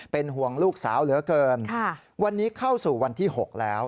เป็นห่วงลูกสาวเหลือเกินวันนี้เข้าสู่วันที่๖แล้ว